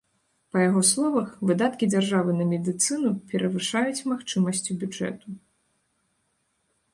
Па яго словах, выдаткі дзяржавы на медыцыну перавышаюць магчымасцю бюджэту.